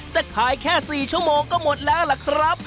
แต่ขายแค่๔ชั่วโมงก็หมดแล้วล่ะครับ